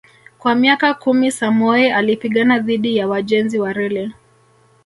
Kwa miaka kumi Samoei alipigana dhidi ya wajenzi wa reli